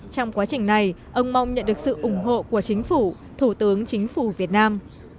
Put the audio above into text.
trong quá trình này ông mong nhận được sự ủng hộ của chính phủ thủ tướng chính phủ việt nam